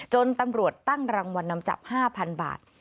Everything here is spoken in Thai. ตำรวจตั้งรางวัลนำจับ๕๐๐๐บาท